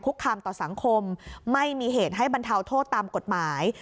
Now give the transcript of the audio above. คำต่อสังคมไม่มีเหตุให้บรรเทาโทษตามกฎหมาย